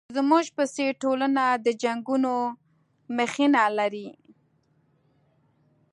زموږ په څېر ټولنه د جنګونو مخینه لري.